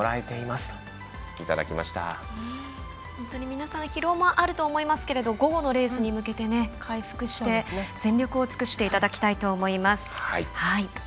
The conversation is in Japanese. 皆さん、疲労もあると思いますが午後のレースに向けて回復して全力を尽くしていただきたいと思います。